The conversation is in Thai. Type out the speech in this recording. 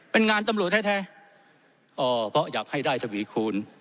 เป็นงานตำรวจแท้เพราะอยากให้ได้ทวีคูณ